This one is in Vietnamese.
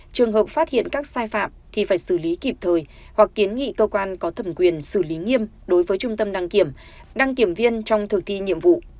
trường hợp phát hiện các sai phạm thì phải xử lý kịp thời hoặc kiến nghị cơ quan có thẩm quyền xử lý nghiêm đối với trung tâm đăng kiểm đăng kiểm viên trong thực thi nhiệm vụ